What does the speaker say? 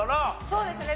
そうですね。